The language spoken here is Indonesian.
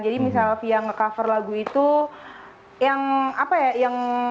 jadi misal fia ngecover lagu itu yang apa ya yang